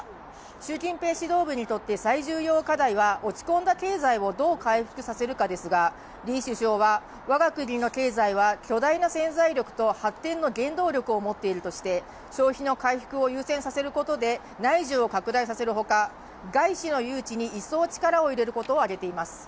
習近平指導部にとって最重要課題は落ち込んだ経済をどう回復させるかですが、李首相は我が国の経済は巨大な潜在力と発展の原動力を持っているとして消費の回復を優先させることで内需を拡大させる他、外資の誘致にいっそう力を入れることをあげています。